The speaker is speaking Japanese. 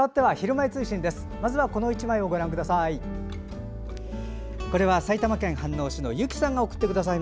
まずこの１枚をご覧ください。